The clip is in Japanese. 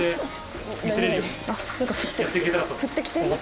「降ってきてる？